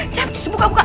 cep buka buka